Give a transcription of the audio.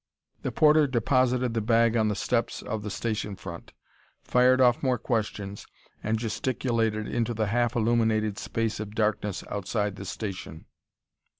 The porter deposited the bag on the steps of the station front, fired off more questions and gesticulated into the half illuminated space of darkness outside the station.